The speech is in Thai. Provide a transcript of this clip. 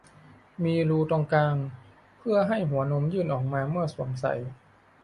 มีรูตรงกลาง เพื่อให้หัวนมยื่นออกมาเมื่อสวมใส่